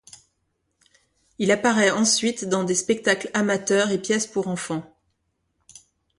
Il apparait ensuite dans des spectacles amateurs et pièces pour enfants.